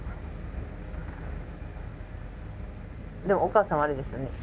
でもお母さんはあれですよね。